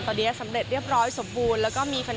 ตอนนี้สำเร็จเรียบร้อยสบบูรณ์